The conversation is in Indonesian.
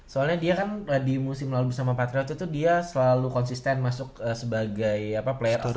soalnya dia kan di musim lalu bersama patriot itu dia selalu konsisten masuk sebagai player